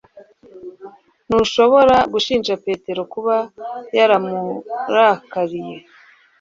Ntushobora gushinja Petero kuba yaramurakariye